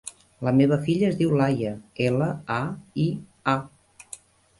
La meva filla es diu Laia: ela, a, i, a.